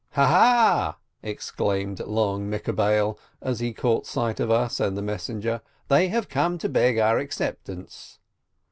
"Ha, ha !" exclaimed Long Mekabbel, as he caught sight of us and the messenger, "they have come to beg our acceptance